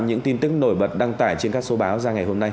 những tin tức nổi bật đăng tải trên các số báo ra ngày hôm nay